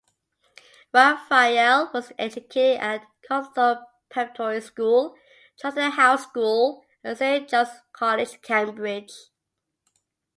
Raphael was educated at Copthorne Preparatory School, Charterhouse School and Saint John's College, Cambridge.